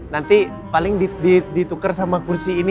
nanti paling ditukar sama kursi ini